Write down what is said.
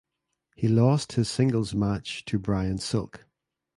He lost his singles match to Bryan Silk.